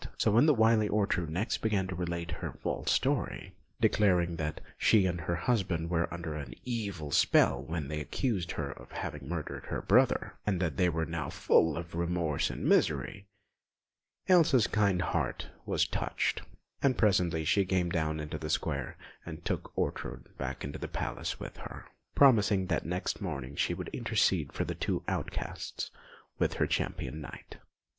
So when the wily Ortrud next began to relate a false story, declaring that she and her husband were under an evil spell when they accused her of having murdered her brother, and that they were now full of remorse and misery, Elsa's kind heart was touched; and presently she came down into the square and took Ortrud back into the palace with her, promising that next morning she would intercede for the two outcasts with her Champion Knight.